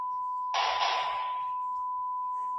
وضعي قوانین د ژوند حق څنګه ګوري؟